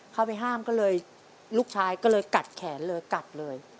เข้าไปห้ามก็เลยลูกชายก็เลยกัดแขนเลยกัดเลย